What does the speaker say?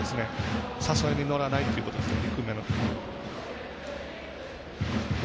低めの誘いに乗らないということですね。